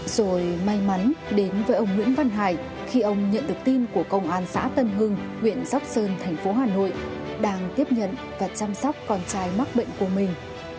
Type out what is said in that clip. rồi may mắn đến với ông nguyễn văn hải khi ông nhận được tin của công an xã tân hưng huyện sóc sơn thành phố hà nội đang tiếp nhận và chăm sóc con trai mắc bệnh của mình